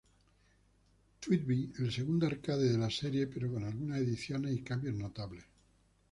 TwinBee", el segundo arcade en la serie, pero con algunas adiciones y cambios notables.